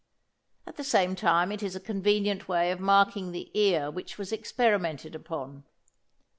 At the same time it is a convenient way of marking the ear which was experimented upon.